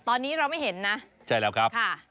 ตอนนี้เราไม่เห็นนะ